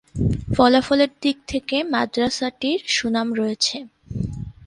ফলাফলের দিক থেকে মাদ্রাসাটির সুনাম রয়েছে।